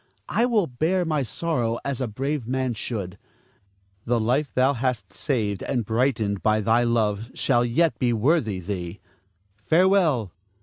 I will bear my sorrow as a brave man should. The life thou hast saved and brightened by thy love shall yet be worthy thee. Farewell!